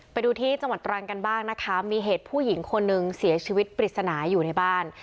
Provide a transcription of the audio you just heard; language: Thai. ไปดูที่จังหวัดตรังกันบ้างนะคะมีเหตุผู้หญิงคนหนึ่งเสียชีวิตปริศนาอยู่ในบ้าน